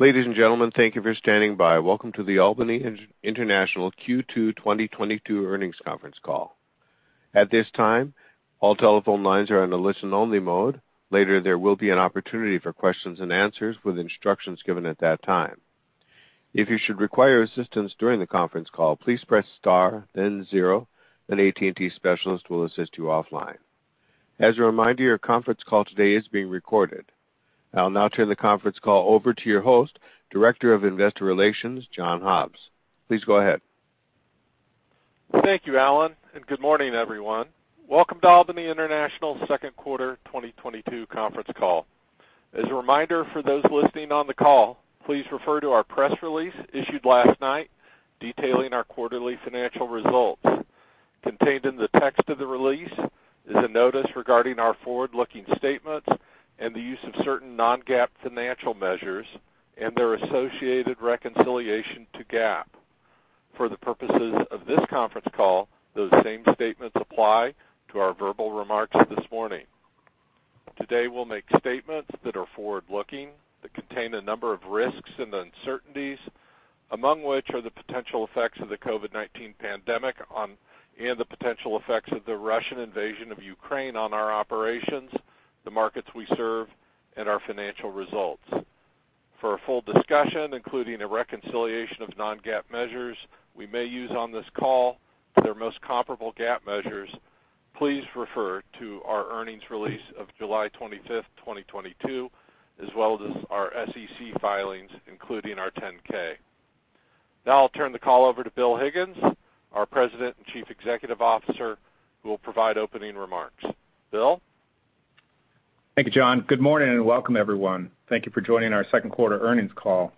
Ladies and gentlemen, thank you for standing by. Welcome to the Albany International Q2 2022 Earnings Conference Call. At this time, all telephone lines are on a listen only mode. Later, there will be an opportunity for questions and answers with instructions given at that time. If you should require assistance during the conference call, please press star then zero. An AT&T specialist will assist you offline. As a reminder, your conference call today is being recorded. I'll now turn the conference call over to your host, Director of Investor Relations, John Hobbs. Please go ahead. Thank you, Alan, and good morning, everyone. Welcome to Albany International's Second Quarter 2022 Conference Call. As a reminder for those listening on the call, please refer to our press release issued last night detailing our quarterly financial results. Contained in the text of the release is a notice regarding our forward-looking statements and the use of certain non-GAAP financial measures and their associated reconciliation to GAAP. For the purposes of this conference call, those same statements apply to our verbal remarks this morning. Today, we'll make statements that are forward-looking that contain a number of risks and uncertainties, among which are the potential effects of the COVID-19 pandemic on, and the potential effects of the Russian invasion of Ukraine on our operations, the markets we serve, and our financial results. For a full discussion, including a reconciliation of non-GAAP measures we may use on this call, their most comparable GAAP measures, please refer to our earnings release of July 25, 2022, as well as our SEC filings, including our 10-K. Now I'll turn the call over to Bill Higgins, our President and Chief Executive Officer, who will provide opening remarks. Bill? Thank you, John. Good morning and welcome, everyone. Thank you for joining our second quarter earnings call.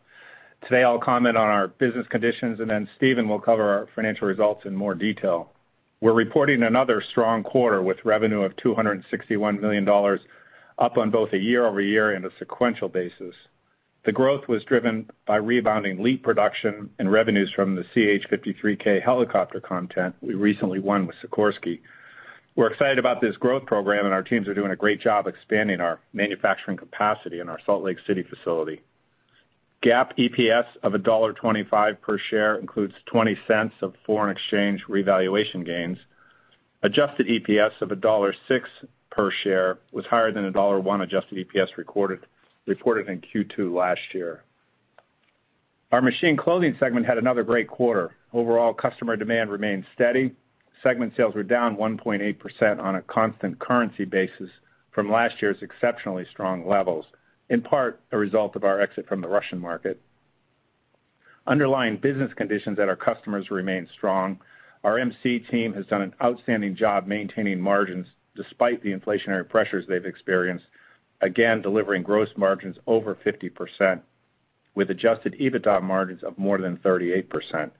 Today, I'll comment on our business conditions, and then Stephen will cover our financial results in more detail. We're reporting another strong quarter with revenue of $261 million, up on both a year-over-year and a sequential basis. The growth was driven by rebounding LEAP production and revenues from the CH-53K helicopter content we recently won with Sikorsky. We're excited about this growth program, and our teams are doing a great job expanding our manufacturing capacity in our Salt Lake City facility. GAAP EPS of $1.25 per share includes $0.20 of foreign exchange revaluation gains. Adjusted EPS of $1.06 per share was higher than $1.01 adjusted EPS recorded, reported in Q2 last year. Our Machine Clothing segment had another great quarter. Overall, customer demand remained steady. Segment sales were down 1.8% on a constant currency basis from last year's exceptionally strong levels, in part a result of our exit from the Russian market. Underlying business conditions at our customers remain strong. Our MC team has done an outstanding job maintaining margins despite the inflationary pressures they've experienced, again, delivering gross margins over 50%, with adjusted EBITDA margins of more than 38%.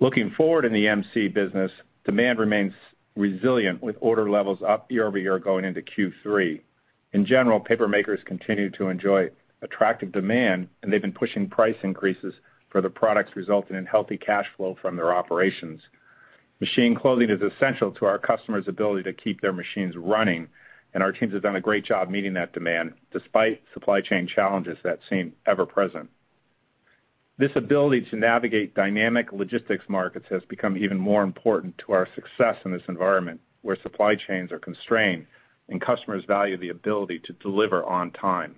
Looking forward in the MC business, demand remains resilient, with order levels up year-over-year going into Q3. In general, paper makers continue to enjoy attractive demand, and they've been pushing price increases for the products resulting in healthy cash flow from their operations. Machine Clothing is essential to our customers' ability to keep their machines running, and our teams have done a great job meeting that demand despite supply chain challenges that seem ever present. This ability to navigate dynamic logistics markets has become even more important to our success in this environment, where supply chains are constrained and customers value the ability to deliver on time.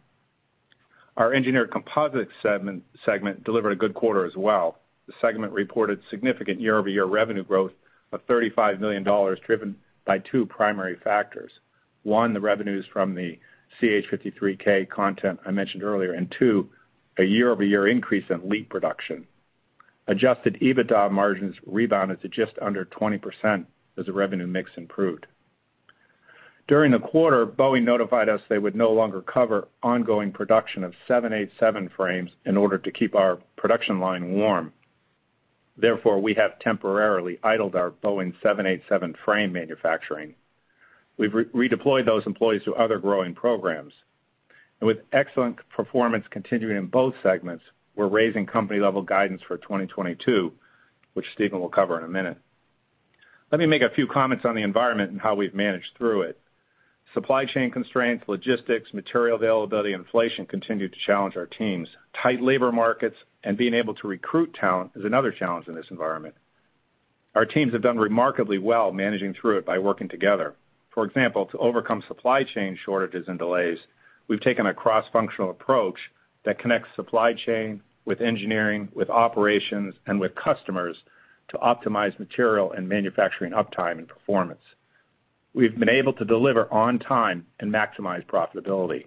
Our Engineered Composites segment delivered a good quarter as well. The segment reported significant year-over-year revenue growth of $35 million, driven by two primary factors. One, the revenues from the CH-53K content I mentioned earlier, and two, a year-over-year increase in LEAP production. Adjusted EBITDA margins rebounded to just under 20% as the revenue mix improved. During the quarter, Boeing notified us they would no longer cover ongoing production of 787 frames in order to keep our production line warm. Therefore, we have temporarily idled our Boeing 787 frame manufacturing. We've redeployed those employees to other growing programs. With excellent performance continuing in both segments, we're raising company-level guidance for 2022, which Stephen will cover in a minute. Let me make a few comments on the environment and how we've managed through it. Supply chain constraints, logistics, material availability, and inflation continue to challenge our teams. Tight labor markets and being able to recruit talent is another challenge in this environment. Our teams have done remarkably well managing through it by working together. For example, to overcome supply chain shortages and delays, we've taken a cross-functional approach that connects supply chain with engineering, with operations, and with customers to optimize material and manufacturing uptime and performance. We've been able to deliver on time and maximize profitability.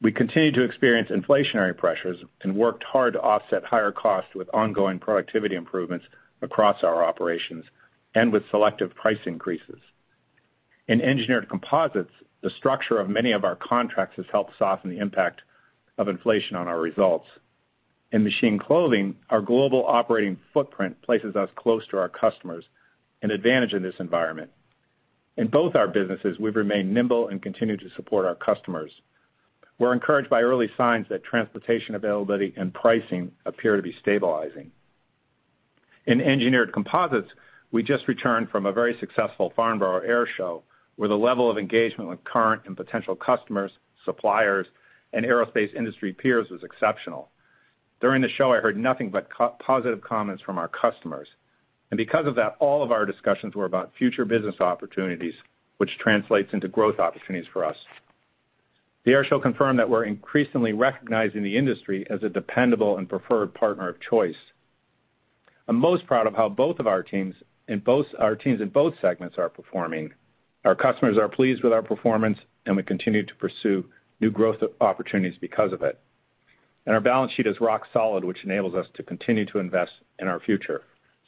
We continue to experience inflationary pressures and worked hard to offset higher costs with ongoing productivity improvements across our operations and with selective price increases. In Engineered Composites, the structure of many of our contracts has helped soften the impact of inflation on our results. In Machine Clothing, our global operating footprint places us close to our customers, an advantage in this environment. In both our businesses, we've remained nimble and continue to support our customers. We're encouraged by early signs that transportation availability and pricing appear to be stabilizing. In Engineered Composites, we just returned from a very successful Farnborough Airshow, where the level of engagement with current and potential customers, suppliers, and aerospace industry peers was exceptional. During the show, I heard nothing but positive comments from our customers, and because of that, all of our discussions were about future business opportunities, which translates into growth opportunities for us. The air show confirmed that we're increasingly recognized in the industry as a dependable and preferred partner of choice. I'm most proud of how our teams in both segments are performing. Our customers are pleased with our performance, and we continue to pursue new growth opportunities because of it. Our balance sheet is rock solid, which enables us to continue to invest in our future.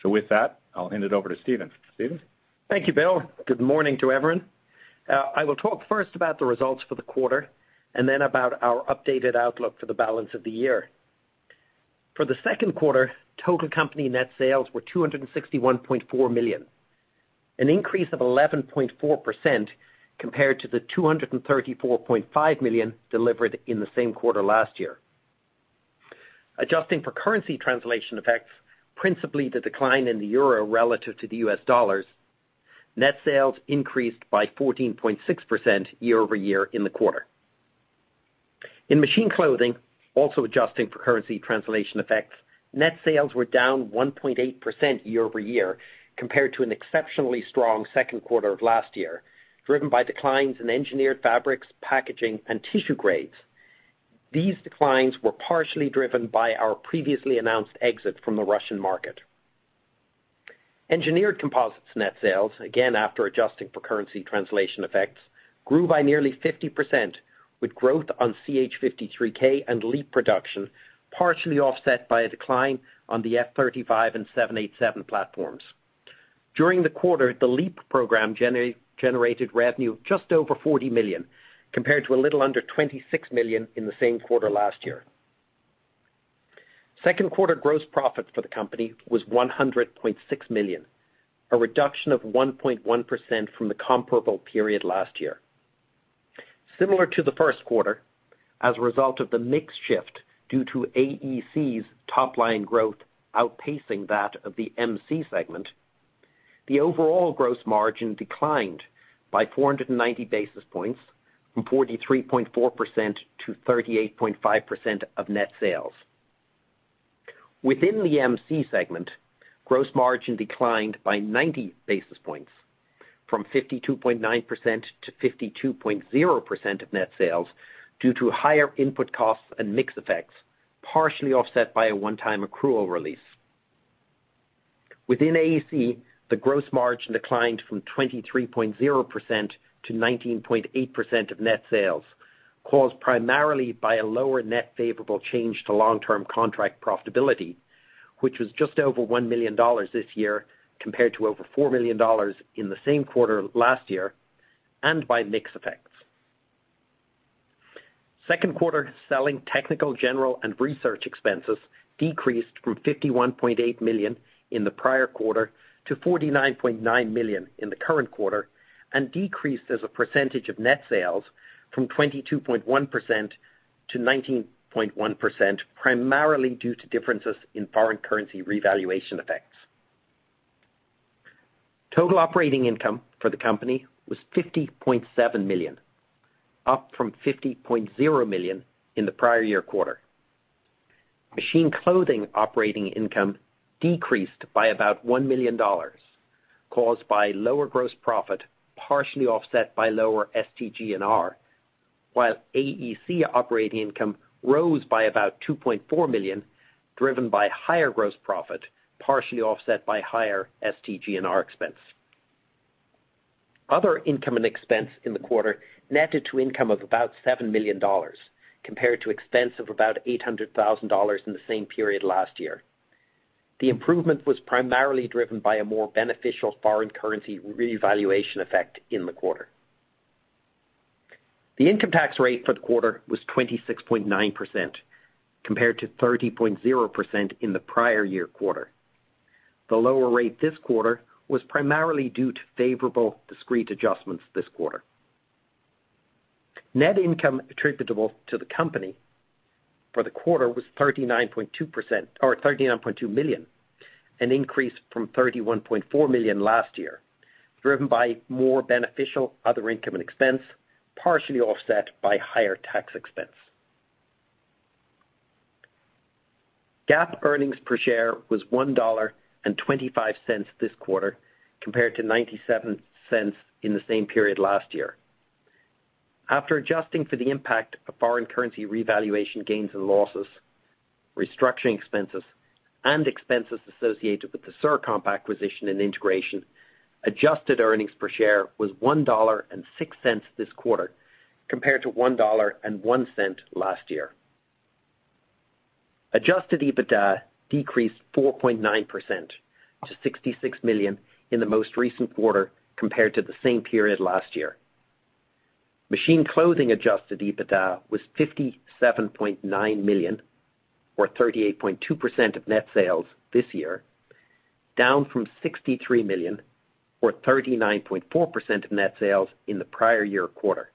With that, I'll hand it over to Stephen. Stephen? Thank you, Bill. Good morning to everyone. I will talk first about the results for the quarter and then about our updated outlook for the balance of the year. For the second quarter, total company net sales were $261.4 million, an increase of 11.4% compared to the $234.5 million delivered in the same quarter last year. Adjusting for currency translation effects, principally the decline in the euro relative to the U.S. dollars, net sales increased by 14.6% year-over-year in the quarter. In Machine Clothing, also adjusting for currency translation effects, net sales were down 1.8% year-over-year compared to an exceptionally strong second quarter of last year, driven by declines in engineered fabrics, packaging, and tissue grades. These declines were partially driven by our previously announced exit from the Russian market. Engineered Composites net sales, again, after adjusting for currency translation effects, grew by nearly 50% with growth on CH-53K and LEAP production, partially offset by a decline on the F-35 and 787 platforms. During the quarter, the LEAP program generated revenue just over $40 million, compared to a little under $26 million in the same quarter last year. Second quarter gross profit for the company was $100.6 million, a reduction of 1.1% from the comparable period last year. Similar to the first quarter, as a result of the mix shift due to AEC's top line growth outpacing that of the MC segment, the overall gross margin declined by 490 basis points from 43.4% to 38.5% of net sales. Within the MC segment, gross margin declined by 90 basis points from 52.9% to 52.0% of net sales due to higher input costs and mix effects, partially offset by a one-time accrual release. Within AEC, the gross margin declined from 23.0% to 19.8% of net sales, caused primarily by a lower net favorable change to long-term contract profitability, which was just over $1 million this year, compared to over $4 million in the same quarter last year, and by mix effects. Second quarter selling, technical, general, and research expenses decreased from $51.8 million in the prior quarter to $49.9 million in the current quarter and decreased as a percentage of net sales from 22.1% to 19.1%, primarily due to differences in foreign currency revaluation effects. Total operating income for the company was $50.7 million, up from $50.0 million in the prior year quarter. Machine Clothing operating income decreased by about $1 million, caused by lower gross profit, partially offset by lower SG&A, while AEC operating income rose by about $2.4 million, driven by higher gross profit, partially offset by higher SG&A expense. Other income and expense in the quarter netted to income of about $7 million compared to expense of about $800,000 in the same period last year. The improvement was primarily driven by a more beneficial foreign currency revaluation effect in the quarter. The income tax rate for the quarter was 26.9%, compared to 30.0% in the prior year quarter. The lower rate this quarter was primarily due to favorable discrete adjustments this quarter. Net income attributable to the company for the quarter was 39.2% or $39.2 million, an increase from $31.4 million last year, driven by more beneficial other income and expense, partially offset by higher tax expense. GAAP earnings per share was $1.25 this quarter, compared to $0.97 in the same period last year. After adjusting for the impact of foreign currency revaluation gains and losses, restructuring expenses, and expenses associated with the CirComp acquisition and integration, adjusted earnings per share was $1.06 this quarter, compared to $1.01 last year. Adjusted EBITDA decreased 4.9% to $66 million in the most recent quarter compared to the same period last year. Machine Clothing adjusted EBITDA was $57.9 million or 38.2% of net sales this year, down from $63 million or 39.4% of net sales in the prior year quarter.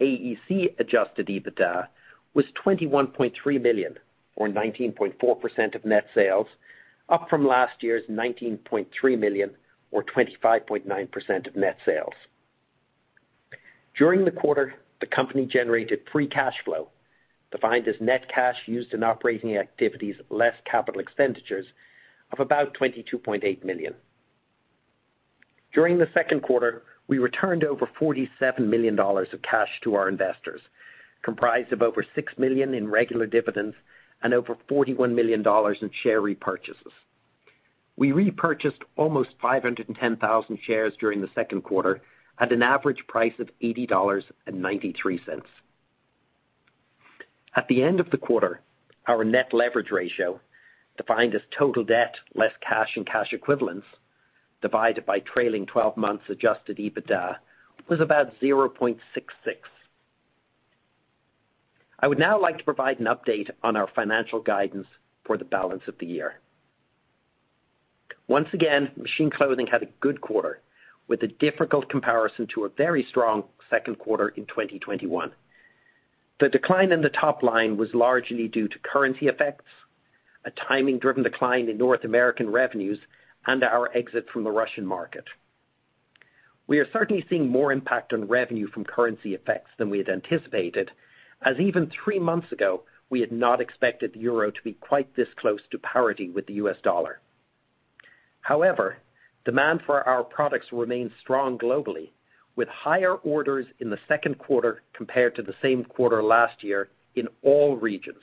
AEC adjusted EBITDA was $21.3 million, or 19.4% of net sales, up from last year's $19.3 million, or 25.9% of net sales. During the quarter, the company generated free cash flow, defined as net cash used in operating activities less capital expenditures of about $22.8 million. During the second quarter, we returned over $47 million of cash to our investors, comprised of over $6 million in regular dividends and over $41 million in share repurchases. We repurchased almost 510,000 shares during the second quarter at an average price of $80.93. At the end of the quarter, our net leverage ratio, defined as total debt, less cash and cash equivalents, divided by trailing twelve months adjusted EBITDA, was about 0.66. I would now like to provide an update on our financial guidance for the balance of the year. Once again, Machine Clothing had a good quarter with a difficult comparison to a very strong second quarter in 2021. The decline in the top line was largely due to currency effects, a timing driven decline in North American revenues, and our exit from the Russian market. We are certainly seeing more impact on revenue from currency effects than we had anticipated, as even three months ago, we had not expected the euro to be quite this close to parity with the U.S. dollar. However, demand for our products remains strong globally, with higher orders in the second quarter compared to the same quarter last year in all regions.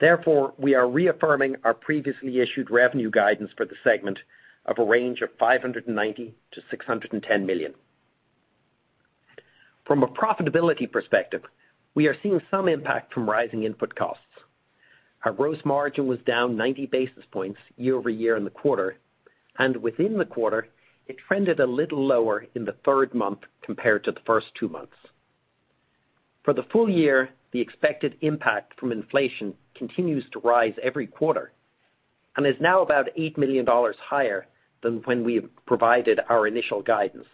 Therefore, we are reaffirming our previously issued revenue guidance for the segment of a range of $590 million-$610 million. From a profitability perspective, we are seeing some impact from rising input costs. Our gross margin was down 90 basis points year-over-year in the quarter, and within the quarter, it trended a little lower in the third month compared to the first two months. For the full year, the expected impact from inflation continues to rise every quarter and is now about $8 million higher than when we provided our initial guidance.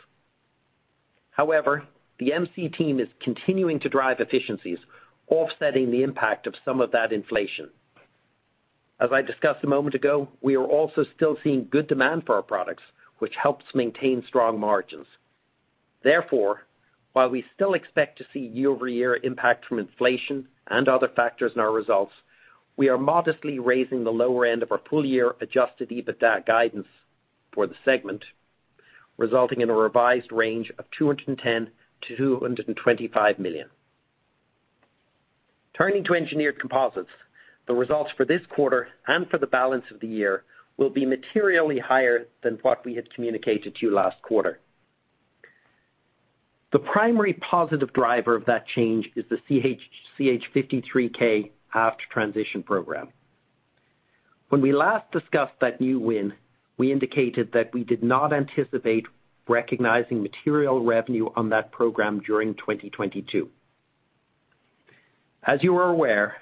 However, the MC team is continuing to drive efficiencies, offsetting the impact of some of that inflation. As I discussed a moment ago, we are also still seeing good demand for our products, which helps maintain strong margins. Therefore, while we still expect to see year-over-year impact from inflation and other factors in our results, we are modestly raising the lower end of our full year adjusted EBITDA guidance for the segment, resulting in a revised range of $210 million-$225 million. Turning to Engineered Composites, the results for this quarter and for the balance of the year will be materially higher than what we had communicated to you last quarter. The primary positive driver of that change is the CH-53K aft transition program. When we last discussed that new win, we indicated that we did not anticipate recognizing material revenue on that program during 2022. As you are aware,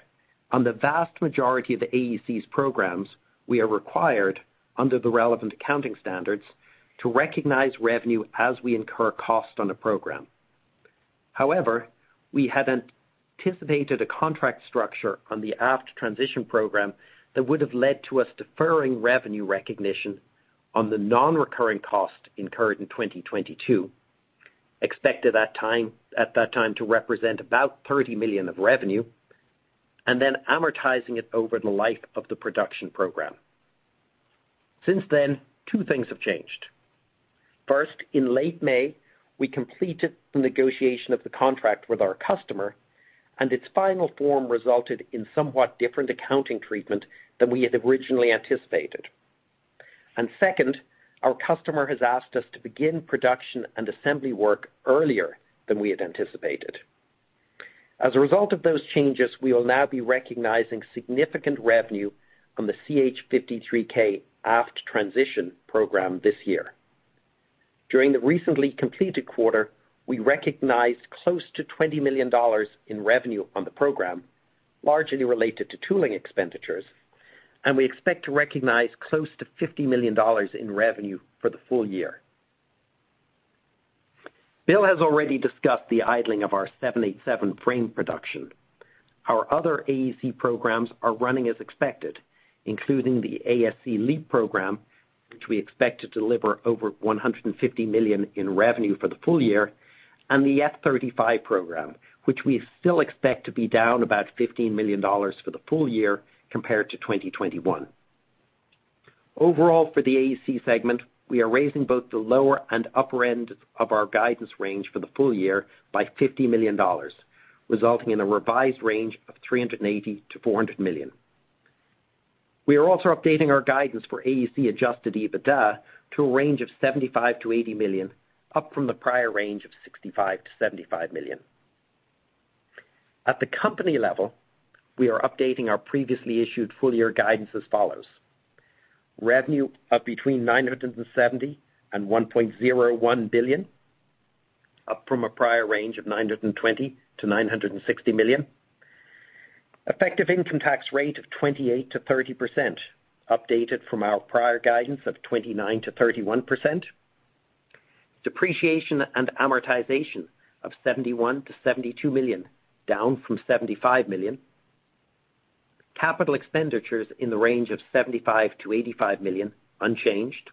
on the vast majority of the AEC's programs, we are required, under the relevant accounting standards, to recognize revenue as we incur cost on a program. However, we had anticipated a contract structure on the aft transition program that would have led to us deferring revenue recognition on the non-recurring cost incurred in 2022, expected at that time to represent about $30 million of revenue, and then amortizing it over the life of the production program. Since then, two things have changed. First, in late May, we completed the negotiation of the contract with our customer, and its final form resulted in somewhat different accounting treatment than we had originally anticipated. Second, our customer has asked us to begin production and assembly work earlier than we had anticipated. As a result of those changes, we will now be recognizing significant revenue from the CH-53K aft transition program this year. During the recently completed quarter, we recognized close to $20 million in revenue on the program, largely related to tooling expenditures, and we expect to recognize close to $50 million in revenue for the full year. Bill has already discussed the idling of our 787 frame production. Our other AEC programs are running as expected, including the AEC LEAP program, which we expect to deliver over $150 million in revenue for the full year, and the F-35 program, which we still expect to be down about $15 million for the full year compared to 2021. Overall, for the AEC segment, we are raising both the lower and upper end of our guidance range for the full year by $50 million, resulting in a revised range of $380 million-$400 million. We are also updating our guidance for AEC adjusted EBITDA to a range of $75 million-$80 million, up from the prior range of $65 million-$75 million. At the company level, we are updating our previously issued full year guidance as follows. Revenue up between $970 million and $1.01 billion, up from a prior range of $920 million-$960 million. Effective income tax rate of 28%-30%, updated from our prior guidance of 29%-31%. Depreciation and amortization of $71 million-$72 million, down from $75 million. Capital expenditures in the range of $75 million-$85 million, unchanged.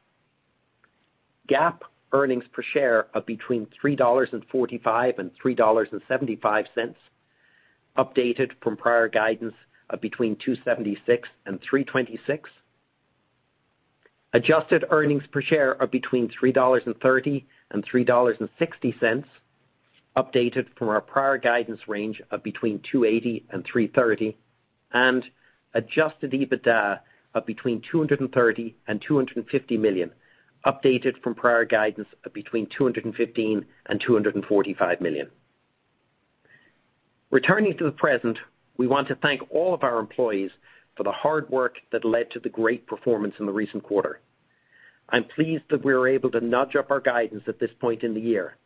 GAAP earnings per share of between $3.45 and $3.75, updated from prior guidance of between $2.76 and $3.26. Adjusted earnings per share of between $3.30 and $3.60, updated from our prior guidance range of between $2.80 and $3.30. Adjusted EBITDA of between $230 million and $250 million, updated from prior guidance of between $215 million and $245 million. Returning to the present, we want to thank all of our employees for the hard work that led to the great performance in the recent quarter. I'm pleased that we were able to nudge up our guidance at this point in the year.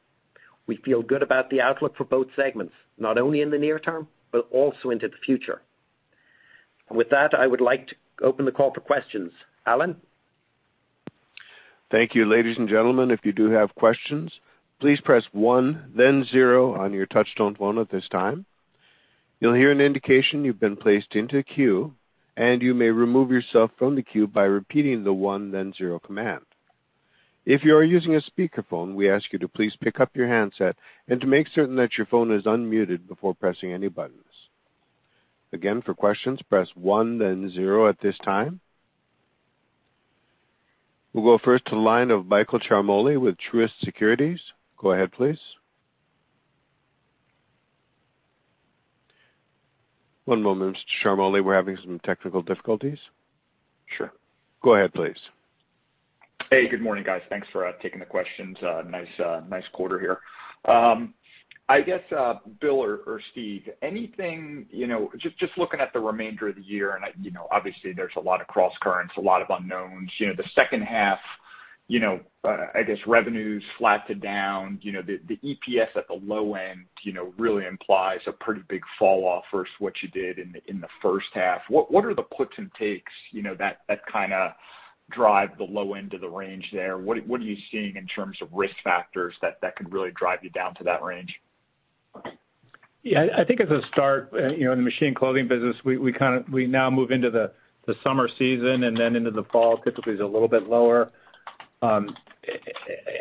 We feel good about the outlook for both segments, not only in the near term, but also into the future. With that, I would like to open the call for questions. Alan? Thank you. Ladies and gentlemen, if you do have questions, please press one then zero on your touch tone phone at this time. You'll hear an indication you've been placed into a queue, and you may remove yourself from the queue by repeating the one then zero command. If you are using a speakerphone, we ask you to please pick up your handset and to make certain that your phone is unmuted before pressing any buttons. Again, for questions, press one then zero at this time. We'll go first to the line of Michael Ciarmoli with Truist Securities. Go ahead, please. One moment, Mr. Ciarmoli. We're having some technical difficulties. Sure. Go ahead, please. Hey, good morning, guys. Thanks for taking the questions. Nice quarter here. I guess Bill or Steve, anything you know just looking at the remainder of the year you know obviously there's a lot of crosscurrents, a lot of unknowns. You know, the second half, I guess revenues flat to down. You know, the EPS at the low end really implies a pretty big fall off versus what you did in the first half. What are the puts and takes you know that kinda drive the low end of the range there? What are you seeing in terms of risk factors that could really drive you down to that range? Yeah. I think as a start, you know, in the Machine Clothing business, we now move into the summer season and then into the fall typically is a little bit lower.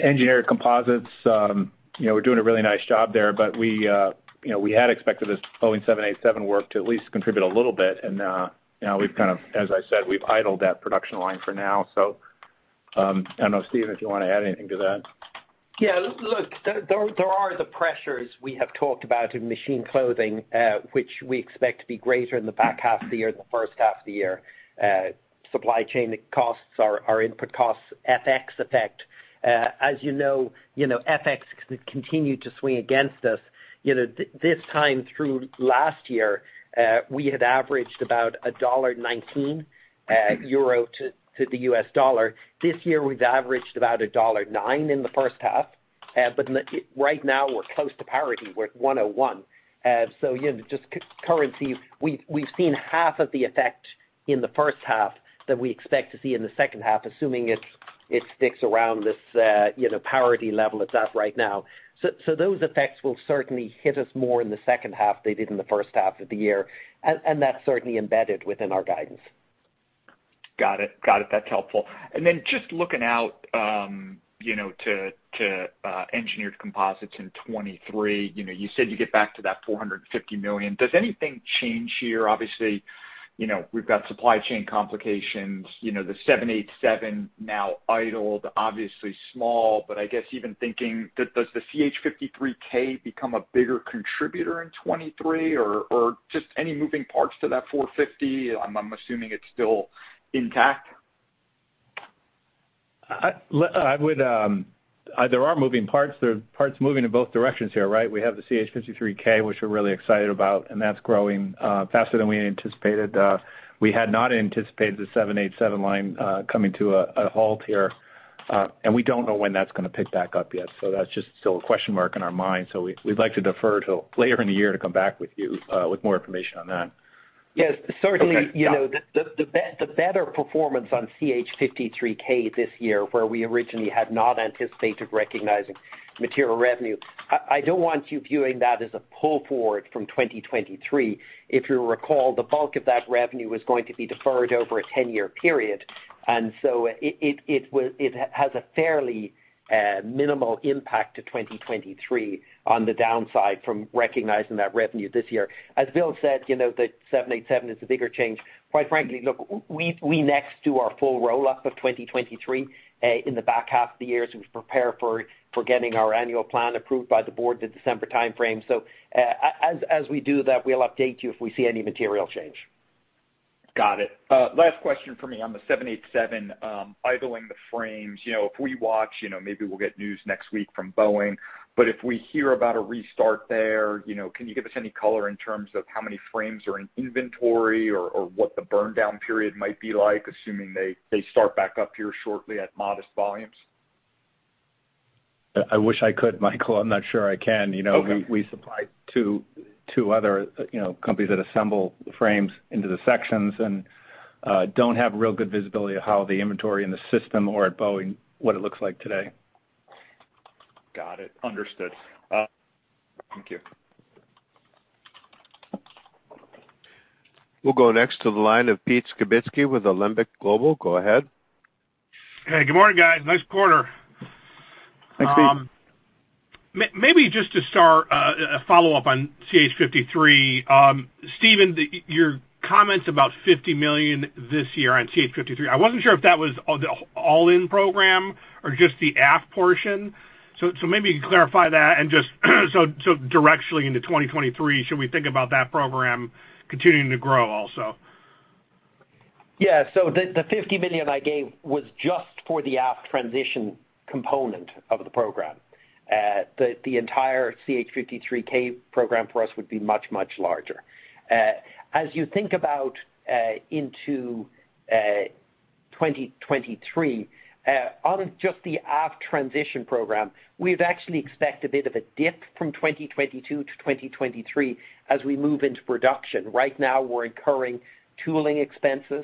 Engineered Composites, you know, we're doing a really nice job there, but you know, we had expected this Boeing 787 work to at least contribute a little bit. Now we've kind of, as I said, we've idled that production line for now. I don't know, Stephen, if you wanna add anything to that. Yeah. Look, there are the pressures we have talked about in Machine Clothing, which we expect to be greater in the back half of the year than the first half of the year. Supply chain costs are input costs, FX effect. As you know, you know, FX continued to swing against us. You know, this time through last year, we had averaged about 1.19 euro to the U.S. dollar. This year, we've averaged about 1.09 in the first half. But right now, we're close to parity. We're at 1.01. So, you know, just currency, we've seen half of the effect in the first half that we expect to see in the second half, assuming it sticks around this, you know, parity level it's at right now. So those effects will certainly hit us more in the second half than they did in the first half of the year. That's certainly embedded within our guidance. Got it. That's helpful. Just looking out, you know, to Engineered Composites in 2023. You know, you said you'd get back to that $450 million. Does anything change here? Obviously, you know, we've got supply chain complications. You know, the 787 now idled, obviously small, but I guess even thinking, does the CH-53K become a bigger contributor in 2023 or just any moving parts to that $450 million? I'm assuming it's still intact. There are moving parts. There are parts moving in both directions here, right? We have the CH-53K, which we're really excited about, and that's growing faster than we anticipated. We had not anticipated the 787 line coming to a halt here, and we don't know when that's gonna pick back up yet. That's just still a question mark in our mind. We'd like to defer till later in the year to come back with you with more information on that. Yes, certainly. Okay. Yeah You know, the better performance on CH-53K this year where we originally had not anticipated recognizing material revenue. I don't want you viewing that as a pull forward from 2023. If you'll recall, the bulk of that revenue was going to be deferred over a 10-year period. It has a fairly minimal impact to 2023 on the downside from recognizing that revenue this year. As Bill said, you know, the 787 is the bigger change. Quite frankly, we next do our full roll-up of 2023 in the back half of the year as we prepare for getting our annual plan approved by the board, the December timeframe. As we do that, we'll update you if we see any material change. Got it. Last question for me on the 787, idling the frames. You know, if we watch, you know, maybe we'll get news next week from Boeing. If we hear about a restart there, you know, can you give us any color in terms of how many frames are in inventory or what the burn down period might be like, assuming they start back up here shortly at modest volumes? I wish I could, Michael. I'm not sure I can. Okay. You know, we supply two other, you know, companies that assemble the frames into the sections and don't have real good visibility of how the inventory in the system or at Boeing, what it looks like today. Got it. Understood. Thank you. We'll go next to the line of Pete Skibitski with Alembic Global. Go ahead. Hey, good morning, guys. Nice quarter. Thanks, Pete. Maybe just to start, a follow-up on CH-53. Stephen, your comments about $50 million this year on CH-53, I wasn't sure if that was all the all-in program or just the aft portion. Maybe you can clarify that and just so directionally into 2023, should we think about that program continuing to grow also? Yeah. The $50 million I gave was just for the aft transition component of the program. The entire CH-53K program for us would be much, much larger. As you think about into 2023, on just the aft transition program, we'd actually expect a bit of a dip from 2022 to 2023 as we move into production. Right now, we're incurring tooling expenses,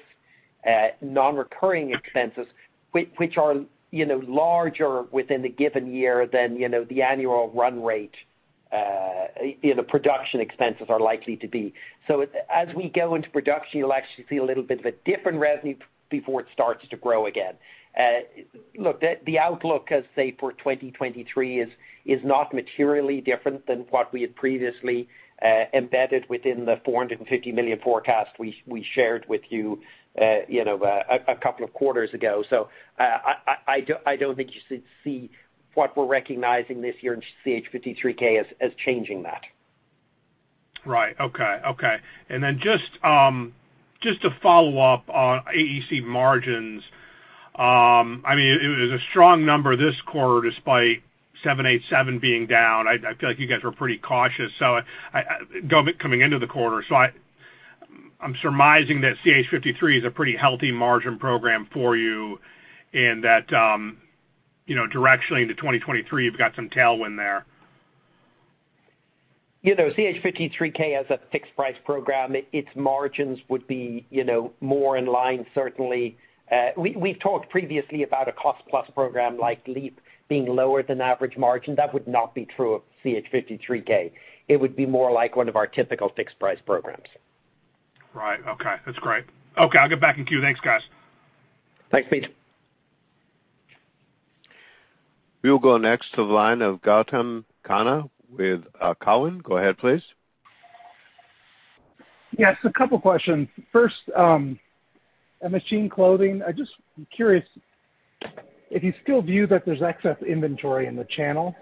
non-recurring expenses, which are, you know, larger within a given year than, you know, the annual run rate, you know, production expenses are likely to be. As we go into production, you'll actually see a little bit of a dip in revenue before it starts to grow again. Look, the outlook as we see for 2023 is not materially different than what we had previously embedded within the $450 million forecast we shared with you know, a couple of quarters ago. I don't think you should see what we're recognizing this year in CH-53K as changing that. Okay. Just to follow up on AEC margins. I mean, it was a strong number this quarter despite 787 being down. I feel like you guys were pretty cautious coming into the quarter. I'm surmising that CH-53 is a pretty healthy margin program for you and that, you know, directionally into 2023, you've got some tailwind there. You know, CH-53K as a fixed-price program, its margins would be, you know, more in line, certainly. We've talked previously about a cost-plus program like LEAP being lower than average margin. That would not be true of CH-53K. It would be more like one of our typical fixed-price programs. Right. Okay. That's great. Okay, I'll get back in queue. Thanks, guys. Thanks, Pete. We will go next to the line of Gautam Khanna with Cowen. Go ahead, please. Yes, a couple questions. First, on Machine Clothing, I just am curious if you still view that there's excess inventory in the channel.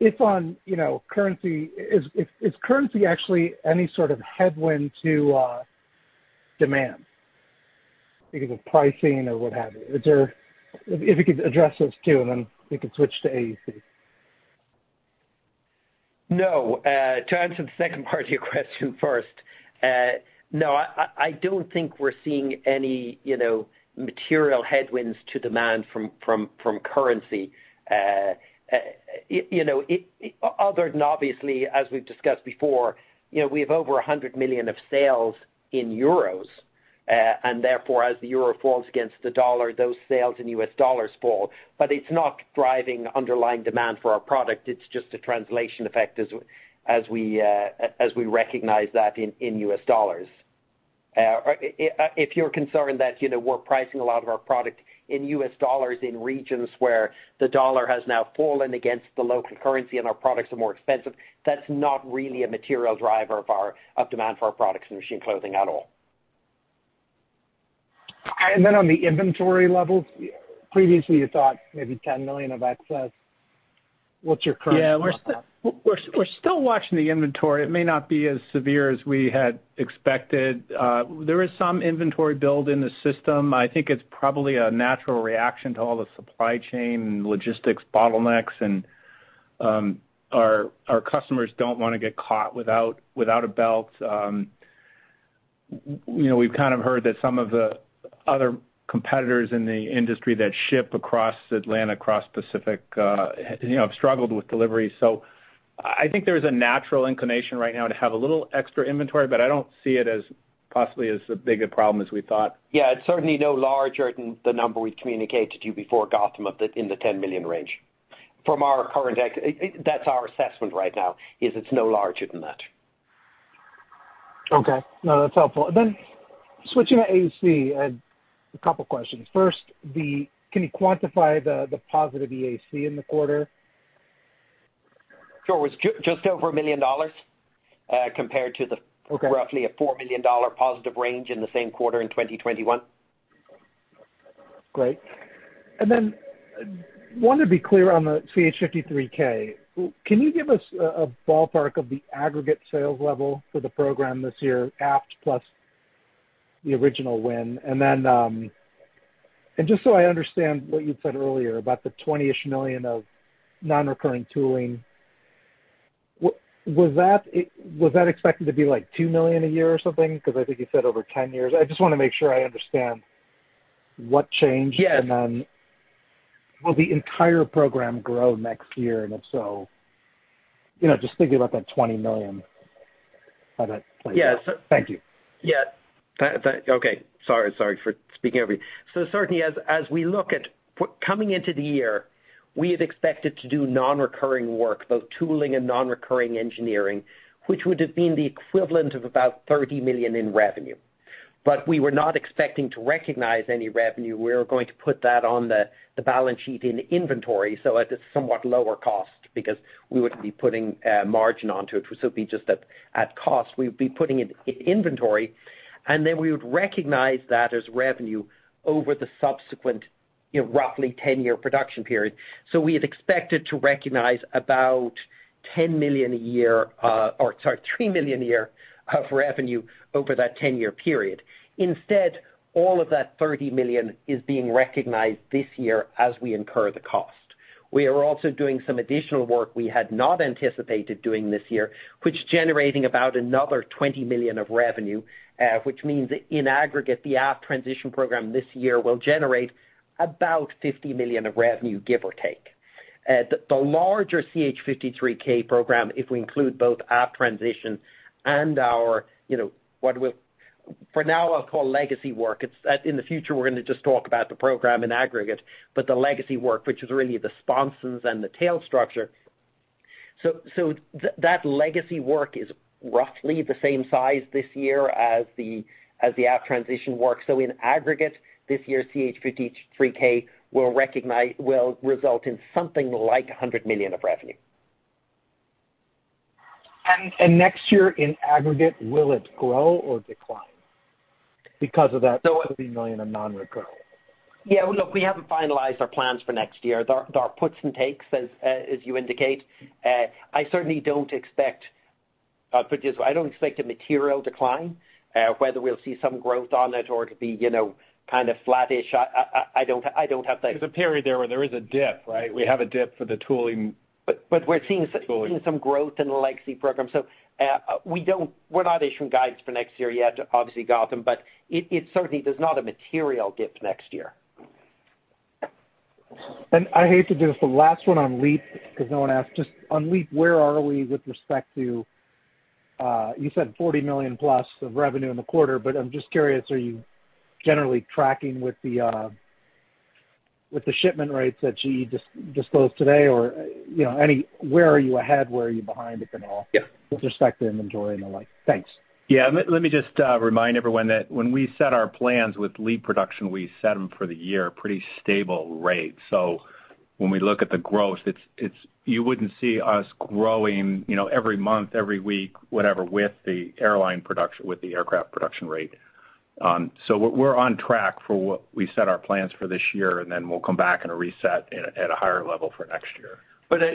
If on, you know, currency, is currency actually any sort of headwind to demand because of pricing or what have you? If you could address those two, and then we can switch to AEC. No. To answer the second part of your question first, no, I don't think we're seeing any, you know, material headwinds to demand from currency. You know, other than obviously, as we've discussed before, you know, we have over 100 million of sales, and therefore, as the euro falls against the U.S. dollar, those sales in U.S. dollars fall. It's not driving underlying demand for our product. It's just a translation effect as we recognize that in U.S. dollars. If you're concerned that, you know, we're pricing a lot of our product in U.S. dollars in regions where the dollar has now fallen against the local currency and our products are more expensive, that's not really a material driver of our demand for our products in Machine Clothing at all. On the inventory levels, previously you thought maybe $10 million of excess. What's your current thought there? Yeah. We're still watching the inventory. It may not be as severe as we had expected. There is some inventory build in the system. I think it's probably a natural reaction to all the supply chain and logistics bottlenecks, and our customers don't wanna get caught without a belt. You know, we've kind of heard that some of the other competitors in the industry that ship across the Atlantic, across the Pacific, you know, have struggled with delivery. I think there's a natural inclination right now to have a little extra inventory, but I don't see it as possibly as big a problem as we thought. Yeah. It's certainly no larger than the number we've communicated to you before, Gautam, of the, in the $10 million range. That's our assessment right now, is it's no larger than that. Okay. No, that's helpful. Switching to AEC, a couple questions. First, can you quantify the positive EAC in the quarter? Sure. It was just over $1 million, compared to the Okay. Roughly a $4 million positive range in the same quarter in 2021. Great. Wanted to be clear on the CH-53K. Can you give us a ballpark of the aggregate sales level for the program this year, after the original win? Just so I understand what you'd said earlier about the $20-ish million of non-recurring tooling—was that expected to be like $2 million a year or something? Because I think you said over 10 years. I just wanna make sure I understand what changed. Yeah. Will the entire program grow next year? If so, you know, just thinking about that $20 million, how that plays out. Yeah. Thank you. Yeah. Okay. Sorry for speaking over you. Certainly, as we look at what coming into the year, we had expected to do non-recurring work, both tooling and non-recurring engineering, which would have been the equivalent of about $30 million in revenue. We were not expecting to recognize any revenue. We were going to put that on the balance sheet in inventory, so at a somewhat lower cost because we wouldn't be putting margin onto it. It would still be just at cost. We'd be putting it in inventory, and then we would recognize that as revenue over the subsequent, you know, roughly 10-year production period. We had expected to recognize about $10 million a year, or sorry, $3 million a year of revenue over that 10-year period. Instead, all of that $30 million is being recognized this year as we incur the cost. We are also doing some additional work we had not anticipated doing this year, which generating about another $20 million of revenue, which means in aggregate, the aft transition program this year will generate about $50 million of revenue, give or take. The larger CH-53K program, if we include both aft transition and our, you know, what we'll for now call legacy work. It's in the future, we're gonna just talk about the program in aggregate, but the legacy work, which is really the sponsons and the tail structure. That legacy work is roughly the same size this year as the aft transition work. In aggregate, this year's CH-53K will result in something like $100 million of revenue. Next year in aggregate, will it grow or decline because of that? So- $30 million in non-recurring? Yeah. Well, look, we haven't finalized our plans for next year. There are puts and takes, as you indicate. I certainly don't expect, put it this way, I don't expect a material decline. Whether we'll see some growth on it or it'll be, you know, kind of flattish, I don't have that- There's a period there where there is a dip, right? We have a dip for the tooling. We're seeing some Tooling. Seeing some growth in the legacy program. We're not issuing guidance for next year yet, obviously, Gautam, but it certainly there's not a material dip next year. I hate to do this, the last one on LEAP, because no one asked. Just on LEAP, where are we with respect to you said $40 million plus of revenue in the quarter, but I'm just curious, are you generally tracking with the shipment rates that GE disclosed today? Or, you know, anywhere, where are you ahead? Where are you behind, if at all? Yeah. With respect to inventory and the like. Thanks. Yeah. Let me just remind everyone that when we set our plans with LEAP production, we set them for the year pretty stable rate. When we look at the growth, it's. You wouldn't see us growing, you know, every month, every week, whatever, with the airline production, with the aircraft production rate. We're on track for what we set our plans for this year, and then we'll come back and reset at a higher level for next year.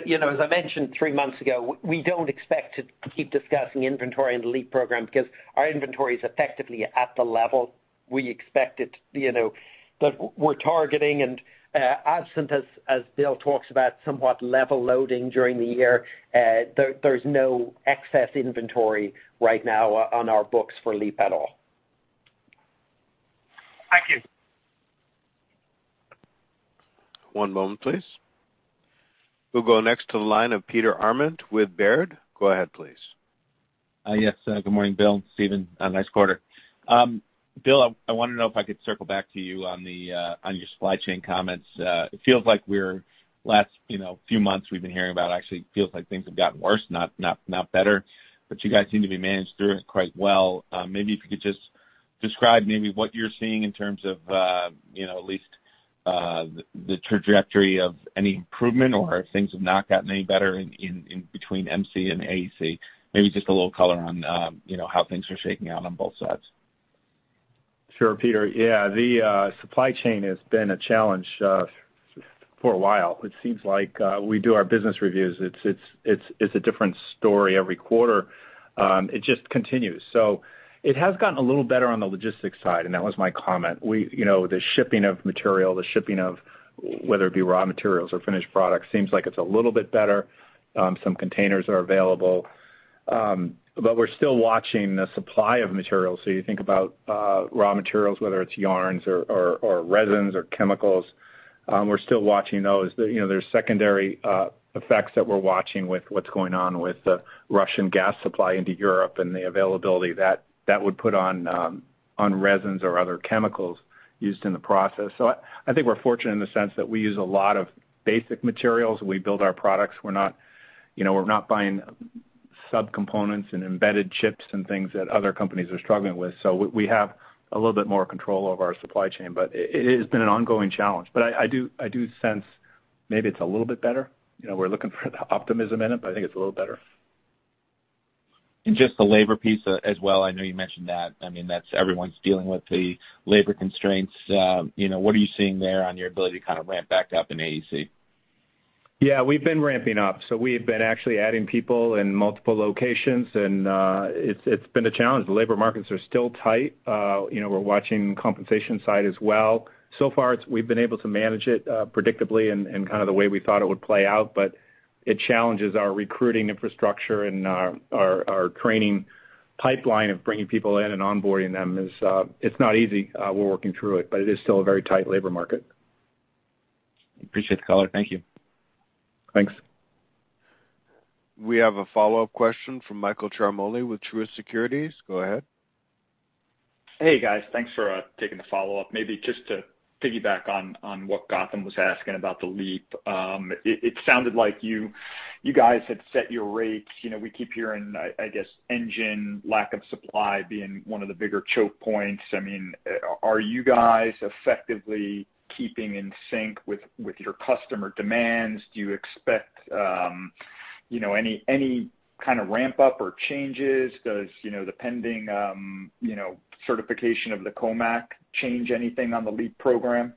You know, as I mentioned three months ago, we don't expect to keep discussing inventory in the LEAP program because our inventory is effectively at the level we expect it, you know. We're targeting and absent, as Bill talks about, somewhat level loading during the year, there's no excess inventory right now on our books for LEAP at all. Thank you. One moment please. We'll go next to the line of Peter Arment with Baird. Go ahead please. Good morning, Bill, Stephen. Nice quarter. Bill, I wanna know if I could circle back to you on the on your supply chain comments. It feels like the last, you know, few months we've been hearing about actually feels like things have gotten worse, not better. You guys seem to be managed through it quite well. Maybe if you could just describe maybe what you're seeing in terms of, you know, at least the trajectory of any improvement or if things have not gotten any better in between MC and AC. Maybe just a little color on, you know, how things are shaking out on both sides. Sure, Peter. Yeah, the supply chain has been a challenge for a while. It seems like we do our business reviews, it's a different story every quarter. It just continues. It has gotten a little better on the logistics side, and that was my comment. We, you know, the shipping of material, the shipping of whether it be raw materials or finished products seems like it's a little bit better. Some containers are available. But we're still watching the supply of materials. You think about raw materials, whether it's yarns or resins or chemicals, we're still watching those. You know, there's secondary effects that we're watching with what's going on with the Russian gas supply into Europe and the availability that would put on resins or other chemicals used in the process. I think we're fortunate in the sense that we use a lot of basic materials. We build our products. We're not, you know, buying subcomponents and embedded chips and things that other companies are struggling with. We have a little bit more control over our supply chain, but it has been an ongoing challenge. I do sense maybe it's a little bit better. You know, we're looking for the optimism in it, but I think it's a little better. Just the labor piece, as well, I know you mentioned that. I mean, that's everyone's dealing with the labor constraints. You know, what are you seeing there on your ability to kind of ramp back up in AEC? Yeah, we've been ramping up. We have been actually adding people in multiple locations, and it's been a challenge. The labor markets are still tight. You know, we're watching compensation side as well. So far, we've been able to manage it predictably and kind of the way we thought it would play out, but it challenges our recruiting infrastructure and our training pipeline of bringing people in and onboarding them is. It's not easy. We're working through it, but it is still a very tight labor market. Appreciate the color. Thank you. Thanks. We have a follow-up question from Michael Ciarmoli with Truist Securities. Go ahead. Hey, guys. Thanks for taking the follow-up. Maybe just to piggyback on what Gautam Khanna was asking about the LEAP. It sounded like you guys had set your rates. You know, we keep hearing, I guess, engine lack of supply being one of the bigger choke points. I mean, are you guys effectively keeping in sync with your customer demands? Do you expect, you know, any kind of ramp up or changes? Does, you know, the pending certification of the COMAC change anything on the LEAP program?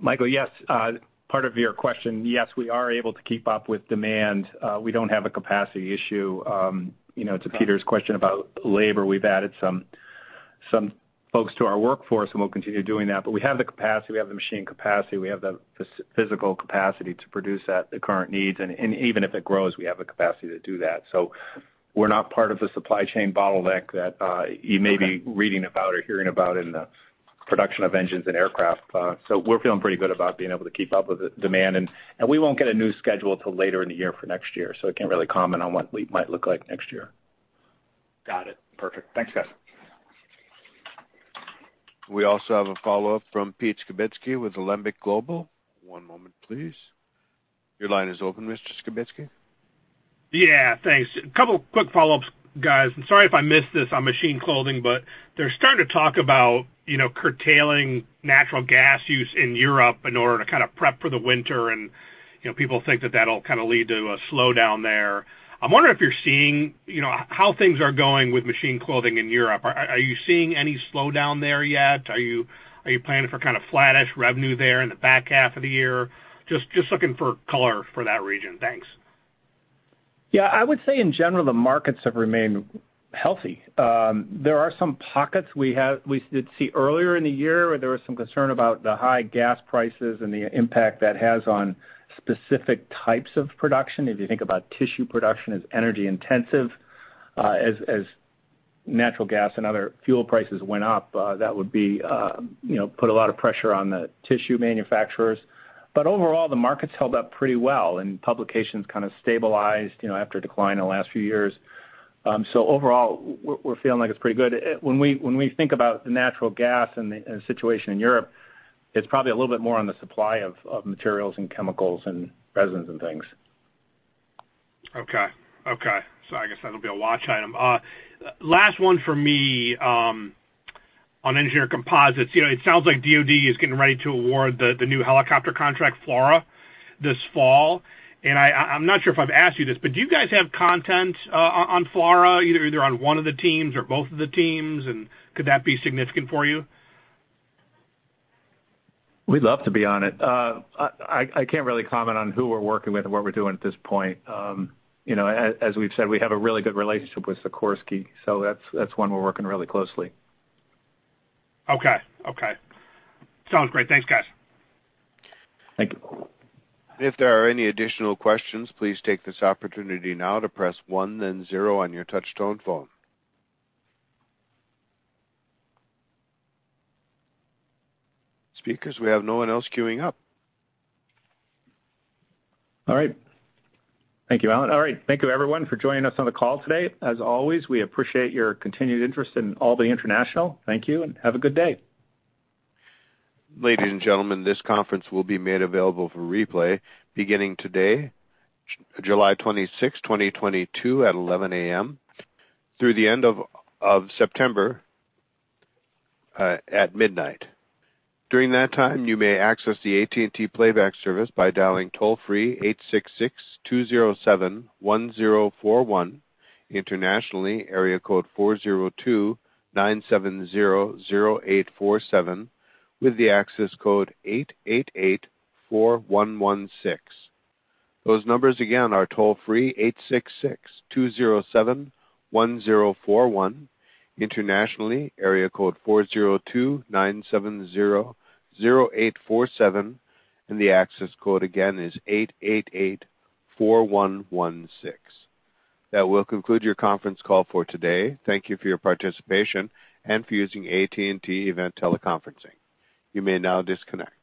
Michael, yes, part of your question. Yes, we are able to keep up with demand. We don't have a capacity issue. You know, to Peter's question about labor, we've added some folks to our workforce, and we'll continue doing that. We have the capacity, we have the machine capacity, we have the physical capacity to produce at the current needs. Even if it grows, we have the capacity to do that. We're not part of the supply chain bottleneck that you may be reading about or hearing about in the production of engines and aircraft. We're feeling pretty good about being able to keep up with the demand. We won't get a new schedule till later in the year for next year, so I can't really comment on what LEAP might look like next year. Got it. Perfect. Thanks, guys. We also have a follow-up from Pete Skibitski with Alembic Global. One moment please. Your line is open, Mr. Skibitski. Yeah. Thanks. A couple quick follow-ups, guys. I'm sorry if I missed this on Machine Clothing, but they're starting to talk about, you know, curtailing natural gas use in Europe in order to kind of prep for the winter. You know, people think that that'll kind of lead to a slowdown there. I'm wondering if you're seeing, you know, how things are going with Machine Clothing in Europe. Are you seeing any slowdown there yet? Are you planning for kind of flattish revenue there in the back half of the year? Just looking for color for that region. Thanks. Yeah, I would say in general, the markets have remained healthy. There are some pockets where we did see earlier in the year where there was some concern about the high gas prices and the impact that has on specific types of production. If you think about tissue production as energy intensive, natural gas and other fuel prices went up, that would, you know, put a lot of pressure on the tissue manufacturers. Overall, the market's held up pretty well, and publications kind of stabilized, you know, after a decline in the last few years. Overall, we're feeling like it's pretty good. When we think about the natural gas and the situation in Europe, it's probably a little bit more on the supply of materials and chemicals and resins and things. Okay. I guess that'll be a watch item. Last one for me, on Engineered Composites. You know, it sounds like DoD is getting ready to award the new helicopter contract, FLRAA, this fall. I'm not sure if I've asked you this, but do you guys have content on FLRAA, either on one of the teams or both of the teams, and could that be significant for you? We'd love to be on it. I can't really comment on who we're working with or what we're doing at this point. You know, as we've said, we have a really good relationship with Sikorsky, so that's one we're working really closely. Okay. Sounds great. Thanks, guys. Thank you. If there are any additional questions, please take this opportunity now to press one then zero on your touch tone phone. Speakers, we have no one else queuing up. All right. Thank you, Alan. All right. Thank you everyone for joining us on the call today. As always, we appreciate your continued interest in Albany International. Thank you, and have a good day. Ladies and gentlemen, this conference will be made available for replay beginning today, July 26th, 2022 at 11:00 A.M. through the end of September at midnight. During that time, you may access the AT&T Playback service by dialing toll-free 866-207-1041. Internationally, area code 402-970-0847 with the access code 888-4116. Those numbers again are toll-free 866-207-1041. Internationally, area code 402-970-0847, and the access code again is 888-4116. That will conclude your conference call for today. Thank you for your participation and for using AT&T Event Teleconferencing. You may now disconnect.